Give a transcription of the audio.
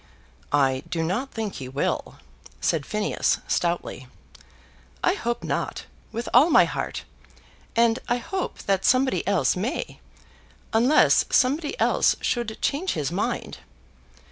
"I do not think he will," said Phineas, stoutly. "I hope not, with all my heart; and I hope that somebody else may, unless somebody else should change his mind.